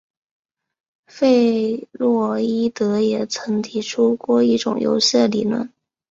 弗洛伊德也曾提出过一种游戏的理论。